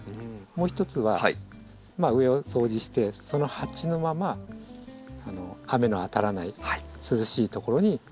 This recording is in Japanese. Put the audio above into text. もう一つは上を掃除してその鉢のまま雨の当たらない涼しい所に置いといてください。